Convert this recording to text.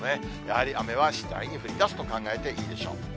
やはり雨は次第に降りだすと考えていいでしょう。